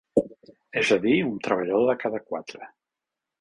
És a dir, un treballador de cada quatre.